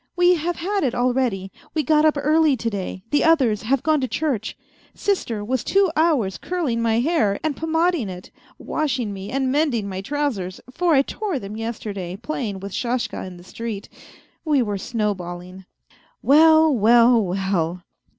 We have had it already, we got up early to day, the others have gone to church. Sister was two hours curling my hair, and pomading it, washing me and mending my trousers, for I tore them yesterday, playing with Sashka in the street, we were snowballing." " Well, well, well